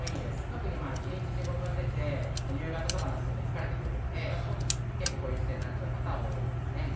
特に１日仕事してて夕方とかになると疲れてくるので結構、こういう姿勢になっちゃう方は多いですね。